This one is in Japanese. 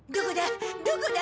どこだ？